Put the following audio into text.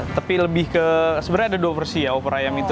tapi lebih ke sebenarnya ada dua bersih ya oper ayam itu